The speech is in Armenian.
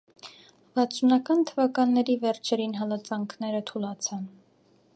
Վաթսունական թվականների վերջերին հալածանքները թուլացան։